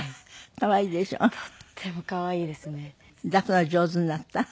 抱くの上手になった？